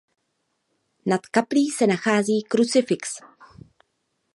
Nad kaplí se nachází krucifix.